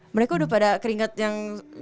mereka udah pada keringat yang